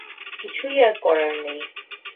কিছুই আর করার নেই।